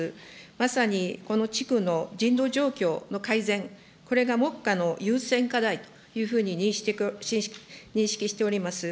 まさにこの地区の人道状況の改善、これが目下の優先課題というふうに認識しております。